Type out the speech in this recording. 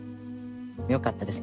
よかったです。